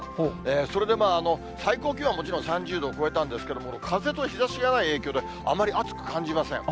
それで最高気温はもちろん３０度を超えたんですけれども、風と日ざしがない影響で、あまり暑く感じません。